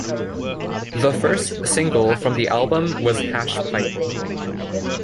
The first single from the album was "Hash Pipe".